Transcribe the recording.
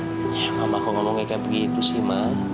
ya mama kau ngomong kayak begitu sih ma